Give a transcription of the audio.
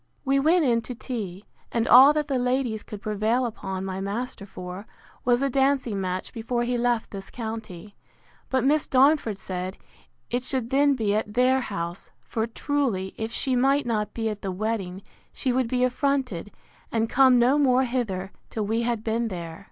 We went in to tea; and all that the ladies could prevail upon my master for, was a dancing match before he left this county: But Miss Darnford said, It should then be at their house; for, truly, if she might not be at the wedding, she would be affronted, and come no more hither, till we had been there.